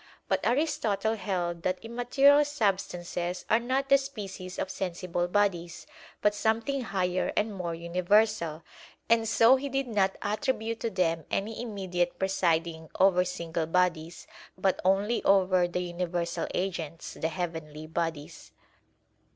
But Aristotle held that immaterial substances are not the species of sensible bodies, but something higher and more universal; and so he did not attribute to them any immediate presiding over single bodies, but only over the universal agents, the heavenly bodies.